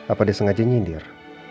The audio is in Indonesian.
apa dia sengaja nyindir